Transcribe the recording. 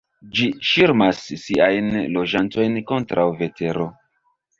Ĝi ŝirmas siajn loĝantojn kontraŭ vetero.